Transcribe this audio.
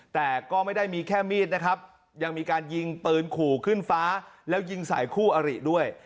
แต่ก็ไม่ได้มีแค่มีดนะครับยังมีการยิงปืนขู่ขึ้นฟ้าแล้วยิงใส่คู่อริด้วย